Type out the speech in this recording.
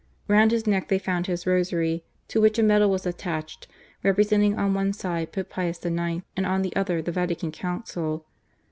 Round his neck they found his rosarj', to which a medal was attached representing on one side Pope Pius IX., and on the other the Vatican Council.